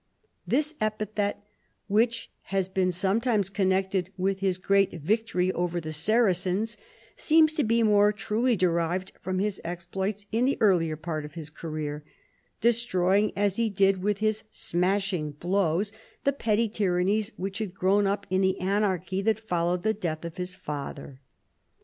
This e})ithet, which has been sometimes connected witli his great victory * over the Saracens, seems to be more truly derived from his exploits in the earlier part of his career, destroying as he did with his smashing blows, the petty t3^rannies which had grown up in the anarchy that followed the death of his father.